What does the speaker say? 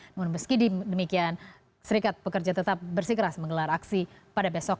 namun meski demikian serikat pekerja tetap bersikeras menggelar aksi pada besok